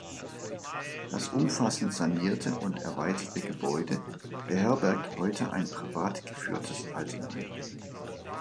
Das umfassend sanierte und erweiterte Gebäude beherbergt heute ein privat geführtes Altenheim.